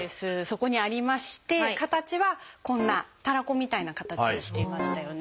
そこにありまして形はこんなたらこみたいな形をしていましたよね。